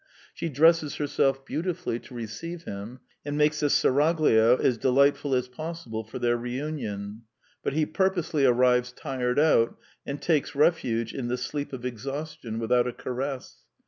She dresses herself beautifully to re ceive him, and makes the seraglio as delightful as possible for their reunion; but he purposely arrives tired out, and takes refuge in the sleep of exhaustion, without a caress.